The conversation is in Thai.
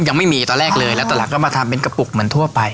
ยังไม่มีตอนแรกเลยแล้วตอนหลังก็มาทำเป็นกระปุกเหมือนทั่วไป